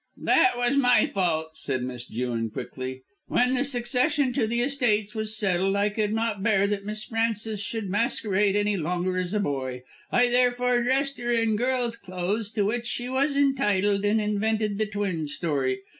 "That was my fault," said Miss Jewin quickly. "When the succession to the estates was settled I could not bear that Miss Frances should masquerade any longer as a boy. I therefore dressed her in girl's clothes, to which she was entitled, and invented the twin story.